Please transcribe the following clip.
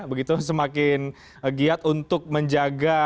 begitu semakin giat untuk menjaga